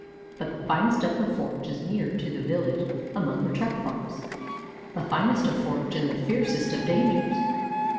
But the finest of the forage is nearer to the village among the truck farms the finest of forage and the fiercest of dangers.